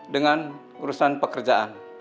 dengan urusan pekerjaan